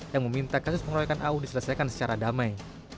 yang meminta kasus pengeroyokan au diselesaikan secara damai